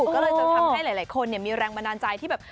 ก็เลยจะทำให้หลายคนมีแรงบันดาลใจที่แบบ